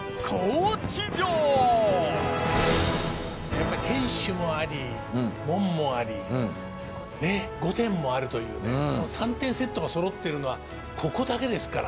やっぱり天守もあり門もありねえ御殿もあるというねこの３点セットがそろってるのはここだけですから。